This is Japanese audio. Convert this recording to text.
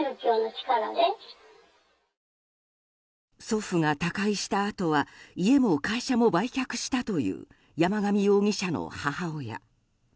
祖父が他界したあとは家も会社も売却したという山上容疑者の母親。